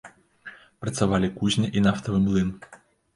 Працавалі кузня і нафтавы млын.